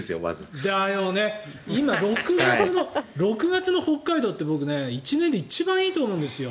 ６月の北海道って僕、１年で一番いいと思うんですよ。